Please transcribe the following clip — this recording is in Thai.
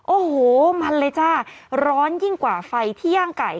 โอ้โหมันเลยจ้าร้อนยิ่งกว่าไฟที่ย่างไก่